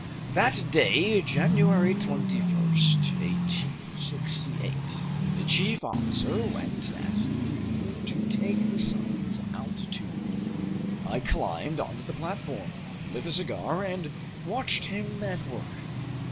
That day, January 21, 1868, the chief officer went at noon to take the sun's altitude. I climbed onto the platform, lit a cigar, and watched him at work.